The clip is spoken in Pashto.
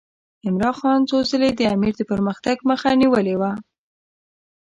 عمرا خان څو ځله د امیر د پرمختګ مخه نیولې وه.